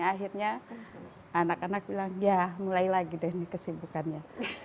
akhirnya anak anak bilang ya mulai lagi deh ini kesibukannya